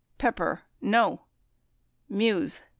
Pepper. No. Muse.